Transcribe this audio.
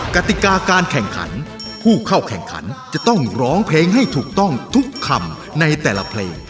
กติกาการแข่งขันผู้เข้าแข่งขันจะต้องร้องเพลงให้ถูกต้องทุกคำในแต่ละเพลง